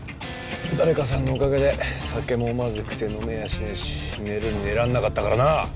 誰かさんのおかげで酒もまずくて飲めやしねえし寝るに寝られなかったからな！